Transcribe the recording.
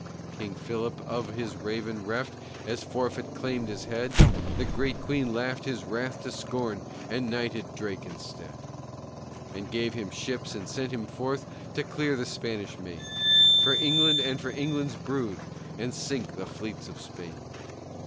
King Philip, of his raven reft, As forfeit claimed his head. The great Queen laughed his wrath to scorn, And knighted Drake instead. And gave him ships and sent him forth To clear the Spanish main For England and for England's brood, And sink the fleets of Spain.